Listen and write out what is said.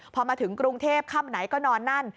พอมาถึงกรุงเทพค่ำไหนก็นอนนั่น